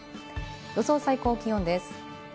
予想最高気温です。